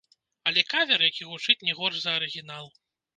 Але кавер, які гучыць не горш за арыгінал.